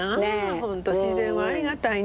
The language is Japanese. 本当自然はありがたいね。